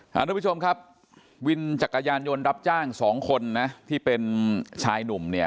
ทุกผู้ชมครับวินจักรยานยนต์รับจ้างสองคนนะที่เป็นชายหนุ่มเนี่ย